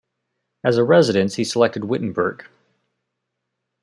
As a residence he selected Wittenberg.